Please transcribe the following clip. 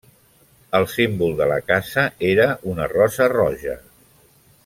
El símbol de la casa era una rosa roja.